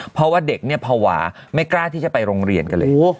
เพราะว่าเด็กเนี่ยภาวะไม่กล้าที่จะไปโรงเรียนกันเลย